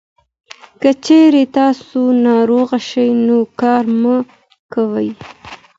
که چېرې تاسو ناروغه شئ، نو کار مه کوئ.